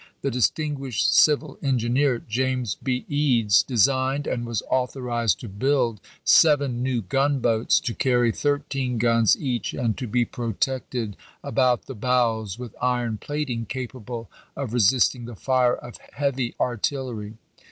^ The distin guished civil engineer, James B. Eads, designed, and was authorized to build, seven new gunboats, to carry thu teen guns each, and to be protected about the bows with iron plating capable of resist ing the fire of heavy artillery.